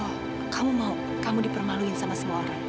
oh kamu mau kamu dipermaluin sama semua orang